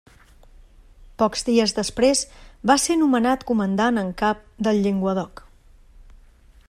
Pocs dies després va ser nomenat comandant en cap del Llenguadoc.